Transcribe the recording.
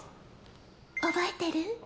覚えてる？